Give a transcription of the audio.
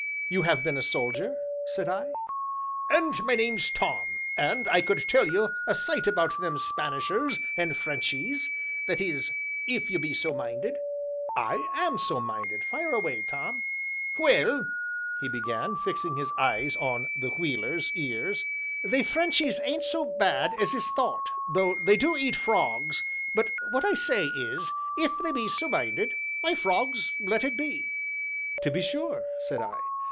"You have been a soldier?" said I. "And my name's Tom, and I could tell you a sight about them Spanishers, and Frenchies that is, if you be so minded?" "I am so minded; fire away, Tom." "Well," he began, fixing his eyes on the "wheeler's" ears, "they Frenchies ain't so bad as is thought, though they do eat frogs, but what I say is if they be so minded, why frogs let it be!" "To be sure!" said I.